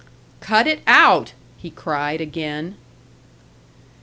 "Cut it out!" he cried again.